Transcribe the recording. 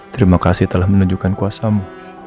terima kasih telah menunjukkan kuasamu